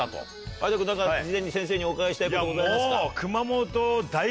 有田君何か事前に先生にお伺いしたいことございますか？